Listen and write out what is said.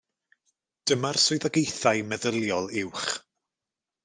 Dyma'r swyddogaethau meddyliol uwch.